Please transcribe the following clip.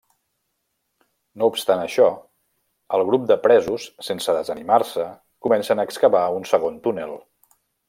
No obstant això, el grup de presos, sense desanimar-se, comencen a excavar un segon túnel.